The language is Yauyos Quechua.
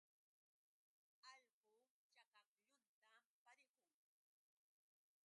Allqu chakaklluntam pariqun.